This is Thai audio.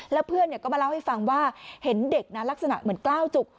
แล้วเพื่อนก็มาเล่าให้ฟังว่าเห็นเด็กนะลักษณะเหมือนกล้าวจุก